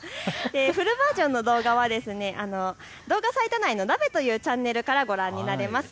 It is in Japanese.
フルバージョンの動画は動画サイト内のチャンネルからご覧いただけます。